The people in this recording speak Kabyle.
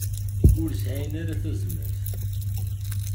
Ur sɛin ara tazmert.